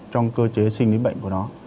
trong cơ chế sinh lý bệnh của nó